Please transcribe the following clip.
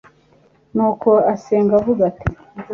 nuko asenga avuga ati